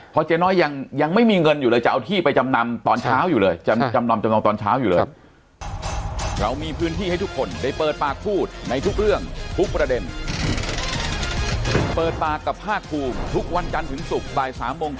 เพราะเจ๊น้อยยังไม่มีเงินอยู่เลยจะเอาที่ไปจำนำตอนเช้าอยู่เลย